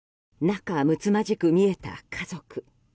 仲むつまじく見えた家族。